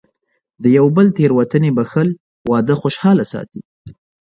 د یو بل تېروتنې بښل، واده خوشحاله ساتي.